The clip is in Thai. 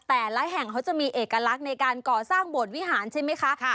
แต่ละแห่งเขาจะมีเอกลักษณ์ในการก่อสร้างโบสถวิหารใช่ไหมคะ